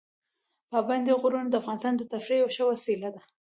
پابندي غرونه د افغانانو د تفریح یوه ښه وسیله ده.